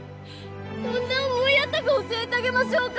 どんな思いやったか教えてあげましょうか？